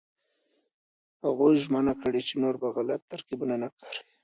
هغوی ژمنه کړې چې نور به غلط ترکيبونه نه کاروي.